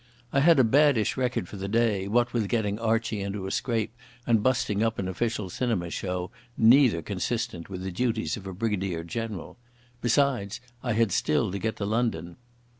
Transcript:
I had a baddish record for the day, what with getting Archie into a scrape and busting up an official cinema show—neither consistent with the duties of a brigadier general. Besides, I had still to get to London.